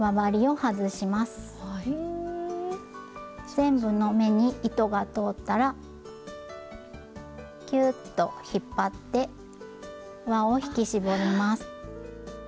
全部の目に糸が通ったらキューッと引っ張って輪を引き絞ります。